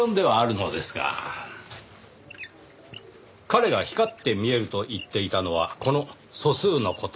彼が光って見えると言っていたのはこの素数の事。